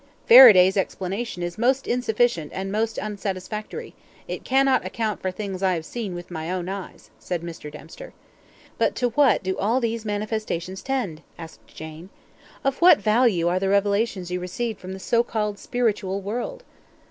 "Faraday's explanation is most insufficient and most unsatisfactory; it cannot account for things I have seen with my own eyes," said Mr. Dempster. "But to what do all these manifestations tend?" asked Jane. "Of what value are the revelations you receive from the so called spiritual world?"